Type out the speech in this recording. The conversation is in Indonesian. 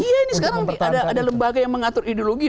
iya ini sekarang ada lembaga yang mengatur ideologi